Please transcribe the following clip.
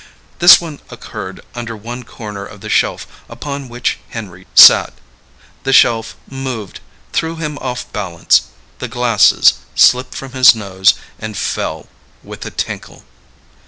This one occurred under one corner of the shelf upon which Henry sat. The shelf moved; threw him off balance. The glasses slipped from his nose and fell with a tinkle.